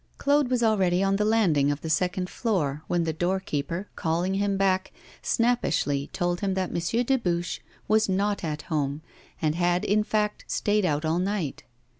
Claude was already on the landing of the second floor, when the doorkeeper, calling him back, snappishly told him that M. Dubuche was not at home, and had, in fact, stayed out all night.